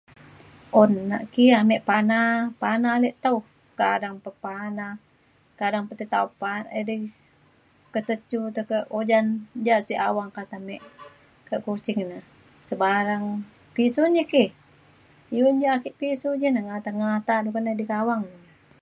un nak ki ame pana pana ale tau. kadang pa pana kadang pa tai taup pa- edei ke te cu te ke ujan ja sek awang ka ta me kak Kuching na sebarang pisu ni ki iu ja ake pisu ja na ngata ngata uban idi kak awang